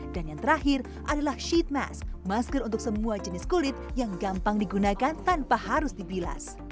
dan yang terakhir adalah sheet mask masker untuk semua jenis kulit yang gampang digunakan tanpa harus dibilas